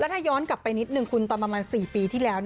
ถ้าย้อนกลับไปนิดนึงคุณตอนประมาณ๔ปีที่แล้ว